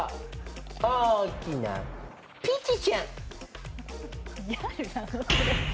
大きなピーチちゃん。